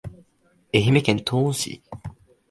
愛媛県東温市